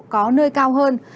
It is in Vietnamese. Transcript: có nơi cao hơn